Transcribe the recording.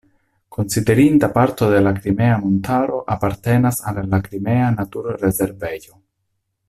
Konsiderinda parto de la Krimea Montaro apartenas al la Krimea naturrezervejo.